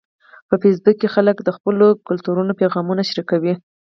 په فېسبوک کې خلک د خپلو کلتورونو پیغامونه شریکوي